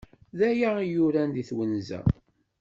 Daya i yuran di twenza.